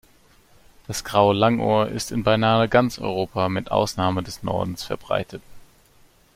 Das Graue Langohr ist in beinahe ganz Europa mit Ausnahme des Nordens verbreitet.